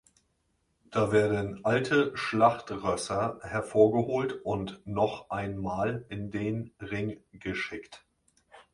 Da werden alte Schlachtrösser hervorgeholt und noch einmal in den Ring geschickt.